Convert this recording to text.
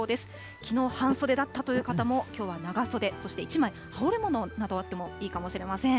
きのう、半袖だったという方もきょうは長袖、そして１枚羽織るものなどあってもいいかもしれません。